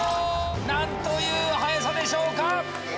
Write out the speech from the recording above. なんという速さでしょうか！